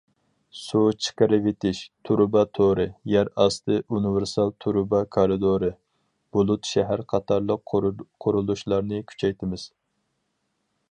سۇ چىقىرىۋېتىش تۇرۇبا تورى، يەر ئاستى ئۇنىۋېرسال تۇرۇبا كارىدورى، بۇلۇت شەھەر قاتارلىق قۇرۇلۇشلارنى كۈچەيتىمىز.